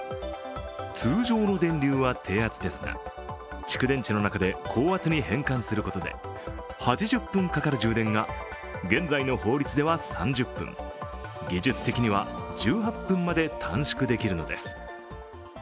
通常の電流は低圧ですが蓄電池の中で高圧に変換することで８０分かかる充電が現在の法律では３０分、技術的には１８分まで短縮できるのです。